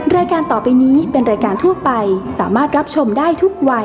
รายการต่อไปนี้เป็นรายการทั่วไปสามารถรับชมได้ทุกวัย